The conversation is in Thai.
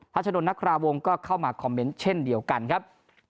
ชะดนนักคราวงศ์ก็เข้ามาคอมเมนต์เช่นเดียวกันครับ